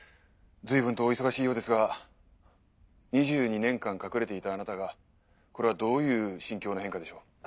随分とお忙しいようですが２２年間隠れていたあなたがこれはどういう心境の変化でしょう？